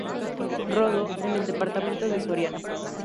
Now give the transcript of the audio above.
Rodó, en el departamento de Soriano.